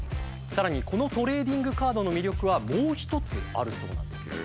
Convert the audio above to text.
さらにこのトレーディングカードの魅力はもう一つあるそうなんですよ。